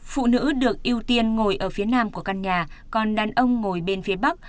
phụ nữ được ưu tiên ngồi ở phía nam của căn nhà còn đàn ông ngồi bên phía bắc